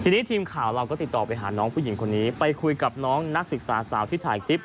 ทีนี้ทีมข่าวเราก็ติดต่อไปหาน้องผู้หญิงคนนี้ไปคุยกับน้องนักศึกษาสาวที่ถ่ายคลิป